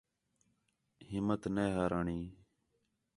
ہِمّت نے ہارا ہُݨیں